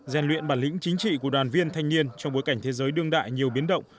gian luyện bản lĩnh chính trị của đoàn viên thanh niên trong bối cảnh thế giới đương đại nhiều biến động